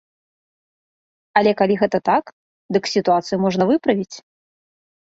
Але калі гэта так, дык сітуацыю можна выправіць.